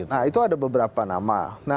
nah itu ada beberapa nama